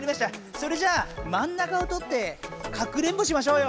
それじゃ真ん中をとってかくれんぼしましょうよ！